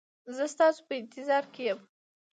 زه ستاسو په انتظار کې یم